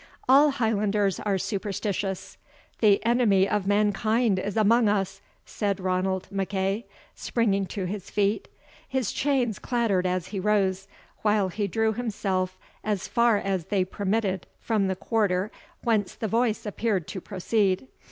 All Highlanders are superstitious. "The Enemy of Mankind is among us!" said Ranald MacEagh, springing to his feet. His chains clattered as he rose, while he drew himself as far as they permitted from the quarter whence the voice appeared to proceed.